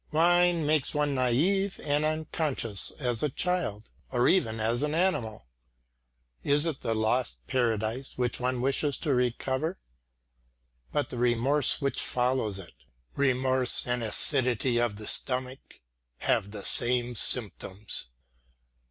Wine makes one naive and unconscious as a child; or even as an animal. Is it the lost paradise which one wishes to recover? But the remorse which follows it? Remorse and acidity of the stomach have the same symptoms.